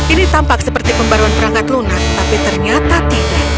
ini tampak seperti pembaruan perangkat lunak tapi ternyata tidak